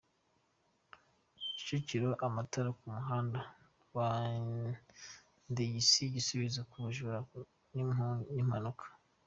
Kicukiro Amatara ku muhanda wa Rwandegisi igisubizo ku bujura n’impanuka